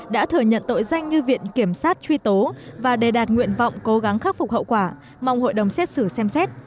đã thừa nhận tội danh như viện kiểm sát truy tố và đề đạt nguyện vọng cố gắng khắc phục hậu quả mong hội đồng xét xử xem xét